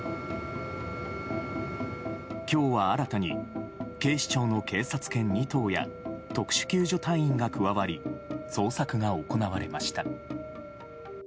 今日は新たに警視庁の警察犬２頭や特殊救助隊員が加わり捜索が行われました。